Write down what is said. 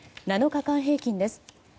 ７日間平均です。